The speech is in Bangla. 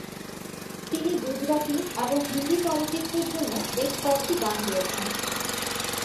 তিনি গুজরাটি এবং হিন্দি চলচ্চিত্রের জন্য বেশ কয়েকটি গান গেয়েছেন।